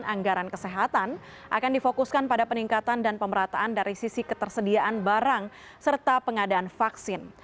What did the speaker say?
anggaran kesehatan akan difokuskan pada peningkatan dan pemerataan dari sisi ketersediaan barang serta pengadaan vaksin